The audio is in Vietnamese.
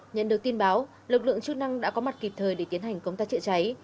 nhận được tin báo lực lượng chức năng đã có mặt kịp thời để tiến hành công tác chữa cháy